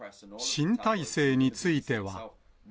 新体制については。